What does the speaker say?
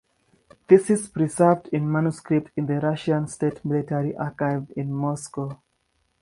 This is preserved in manuscript in the Russian State Military Archive in Moscow.